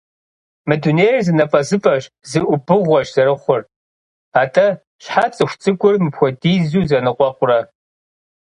Мы дунейр зы напӏэзыпӏэщ, зы ӏубыгъуэщ зэрыхъур, атӏэ, щхьэ цӏыхуцӏыкӏур мыпхуэдизу зэныкъуэкъурэ?